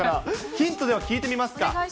ヒントをでは、聞いてみますか。